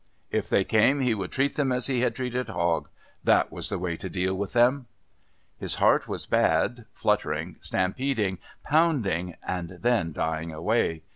If they came he would treat them as he had treated Hogg. That was the way to deal with them! His heart was bad, fluttering, stampeding, pounding and then dying away.